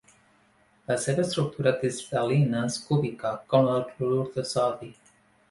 La seva estructura cristal·lina és cúbica, com la del clorur de sodi.